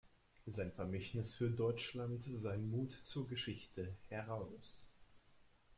Sein Vermächtnis für Deutschland, sein Mut zur Geschichte" heraus.